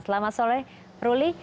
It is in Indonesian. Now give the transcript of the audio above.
selamat sore ruli